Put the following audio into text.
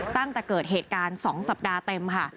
ตั้งแต่เกิดเหตุการณ์๒สัปดาห์เต็มค่ะ